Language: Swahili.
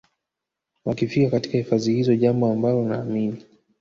wakifika katika hifadhi hizo jambo ambalo naamini